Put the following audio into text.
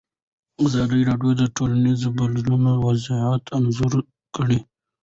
ازادي راډیو د ټولنیز بدلون وضعیت انځور کړی.